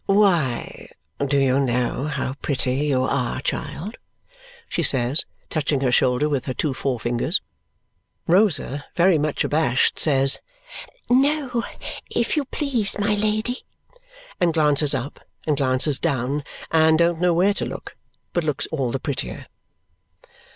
"Why, do you know how pretty you are, child?" she says, touching her shoulder with her two forefingers. Rosa, very much abashed, says, "No, if you please, my Lady!" and glances up, and glances down, and don't know where to look, but looks all the prettier.